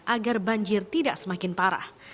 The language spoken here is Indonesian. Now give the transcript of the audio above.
agar banjir tidak semakin parah